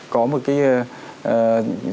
có một cái